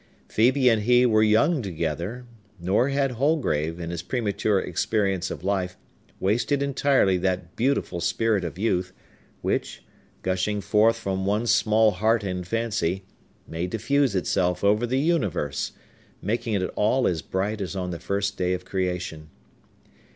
Phœbe and he were young together; nor had Holgrave, in his premature experience of life, wasted entirely that beautiful spirit of youth, which, gushing forth from one small heart and fancy, may diffuse itself over the universe, making it all as bright as on the first day of creation.